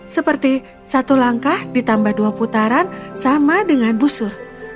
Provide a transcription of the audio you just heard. seperti satu langkah ditambah dua putaran sama dengan busur